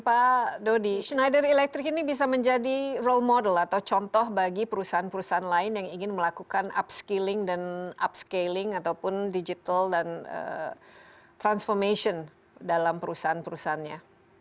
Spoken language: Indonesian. pak dodi schneider electric ini bisa menjadi role model atau contoh bagi perusahaan perusahaan lain yang ingin melakukan upskilling dan upscaling ataupun digital dan transformation dalam perusahaan perusahaannya